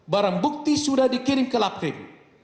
barang bukti sudah dikirim ke laprim